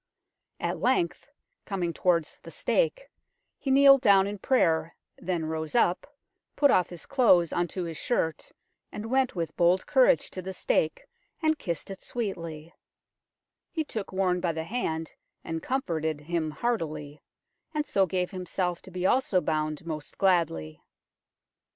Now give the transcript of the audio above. At length, coming towards the stake, he kneeled down in prayer, then rose up, put off his clothes unto his shirt, and went with bold courage to the stake and kissed it sweetly ; he took Warne by the hand and comforted him heartily ; and so gave himself to be also bound most gladly.